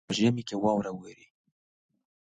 په ژمي کي واوره وريږي.